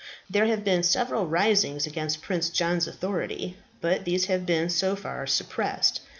There have been several risings against Prince John's authority; but these have been, so far, suppressed.